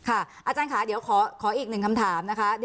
อาจารย์ค่ะเดี๋ยวขออีกหนึ่งคำถามนะคะ